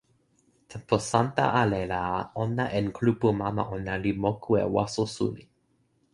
tenpo Santa ale la ona en kulupu mama ona li moku e waso suli.